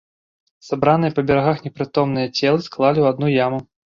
Сабраныя па берагах непрытомныя целы склалі ў адну яму.